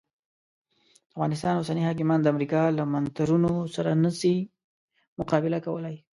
د افغانستان اوسني حاکمان د امریکا له منترونو سره نه سي مقابله کولای.